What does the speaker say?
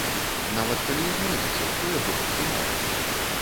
Нават калі і знойдзеце, хто яго падтрымае?